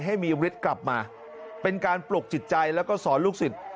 ให้มีฤทธิ์กลับมาเป็นการปลุกจิตใจแล้วก็สอนลูกศิษย์